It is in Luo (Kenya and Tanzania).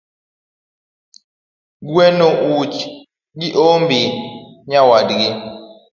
Gweno uch gi ombi nyawadgi